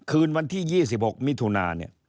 คืนวันที่๒๖มิถุนา